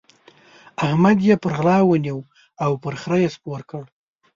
احمد يې پر غلا ونيو او پر خره يې سپور کړ.